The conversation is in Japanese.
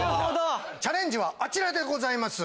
チャレンジはあちらでございます。